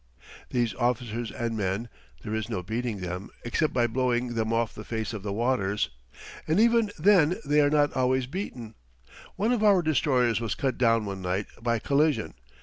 These officers and men there is no beating them, except by blowing them off the face of the waters. And even then they are not always beaten. One of our destroyers was cut down one night by collision.